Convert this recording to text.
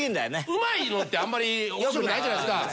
うまいのってあんまり面白くないじゃないですか。